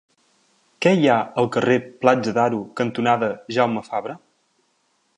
Què hi ha al carrer Platja d'Aro cantonada Jaume Fabra?